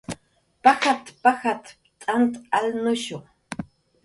"Pajat"" pajat""w t'ant kuytnushu"